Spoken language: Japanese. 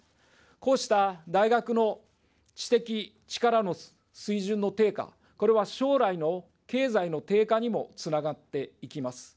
こうした大学の知的力の水準の低下、これは将来の経済の低下にもつながっていきます。